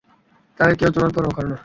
তাদের কেউই তোমার পরোয়া করে না।